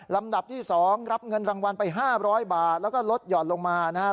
ลำดับที่๒รับเงินรางวัลไป๕๐๐บาทแล้วก็ลดหย่อนลงมานะฮะ